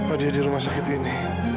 oh dia di rumah sakit ini